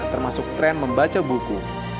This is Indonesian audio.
termasuk tren membaca buku